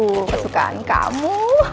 ada yang biru kesukaan kamu